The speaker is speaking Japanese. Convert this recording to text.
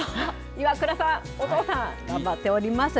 岩倉さん、お父さん、頑張っております。